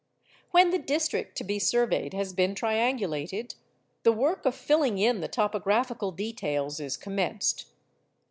When the district to be surveyed has been triangulated, the work of filling in the topographical details is commenced.